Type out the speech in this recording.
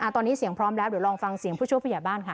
ตอนนี้เสียงพร้อมแล้วเดี๋ยวลองฟังเสียงผู้ช่วยผู้ใหญ่บ้านค่ะ